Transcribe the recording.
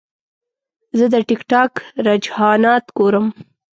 زه د ټک ټاک رجحانات ګورم.